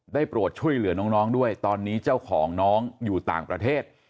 โปรดช่วยเหลือน้องด้วยตอนนี้เจ้าของน้องอยู่ต่างประเทศ